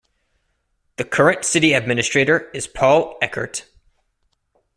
The current city administrator is Paul Eckert.